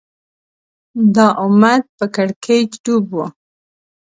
دا امت په کړکېچ ډوب و